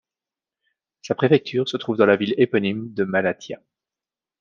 Sa préfecture se trouve dans la ville éponyme de Malatya.